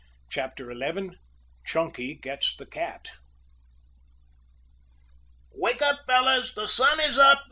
CHAPTER XI CHUNKY GETS THE CAT "Wake up, fellows! The sun is up!"